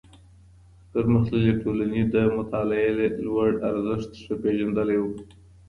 پرمختللې ټولني د مطالعې لوړ ارزښت ښه پېژندلی و.